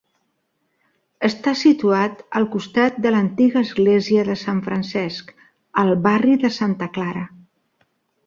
Està situat al costat de l'antiga església de Sant Francesc, al barri de Santa Clara.